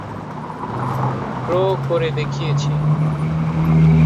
ক্রো করে দেখিয়েছে!